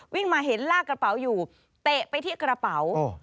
วิ่งมาเห็นลากกระเป๋าอยู่เตะไปที่กระเป๋า